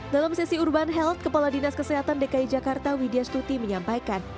dalam sesi urban health kepala dinas kesehatan dki jakarta widya stuti menyampaikan